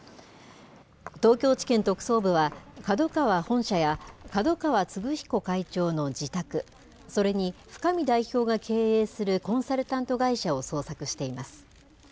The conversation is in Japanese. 東京地検特捜部は、角川本社や、角川歴彦会長の自宅、それに深見代表が経営するコンサルタント会社を捜索しています。